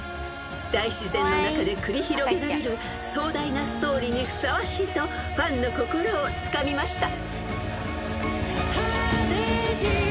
［大自然の中で繰り広げられる壮大なストーリーにふさわしいとファンの心をつかみました］